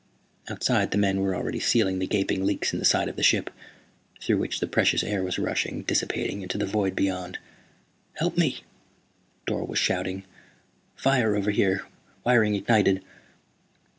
Outside the men were already sealing the gaping leaks in the side of the ship, through which the precious air was rushing, dissipating into the void beyond. "Help me!" Dorle was shouting. "Fire over here, wiring ignited."